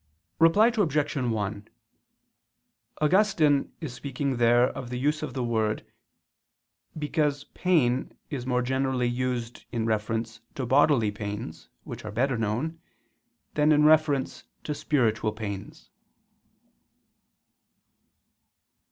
Reply Obj. 1: Augustine is speaking there of the use of the word: because "pain" is more generally used in reference to bodily pains, which are better known, than in reference to spiritual pains.